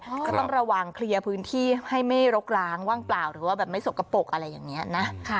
ก็ต้องระวังเคลียร์พื้นที่ให้ไม่รกล้างว่างเปล่าหรือว่าแบบไม่สกปรกอะไรอย่างนี้นะ